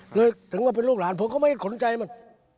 เลยถึงว่าเป็นลูกหลานผมก็ไม่ขนใจมัน